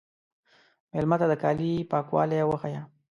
مېلمه ته د کالي پاکوالی وښیه.